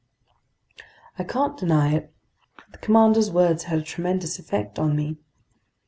I can't deny it; the commander's words had a tremendous effect on me.